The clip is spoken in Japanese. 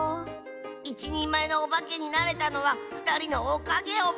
いちにんまえのおばけになれたのはふたりのおかげオバ。